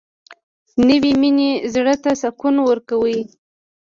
نوې مینه زړه ته سکون ورکوي